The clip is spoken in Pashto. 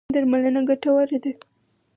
درملنه ګټوره ده.